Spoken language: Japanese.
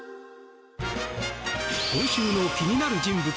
今週の気になる人物